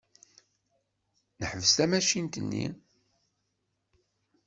Neḥbes tamacint-nni.